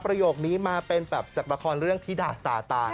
ประโยคนี้มาเป็นแบบจากละครเรื่องที่ด่าสาตาย